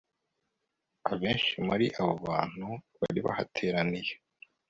abenshi muri abo bantu bari bahateraniye